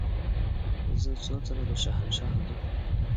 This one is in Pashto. زه څو ځله د شاهنشاه حضور ته ورغلې یم.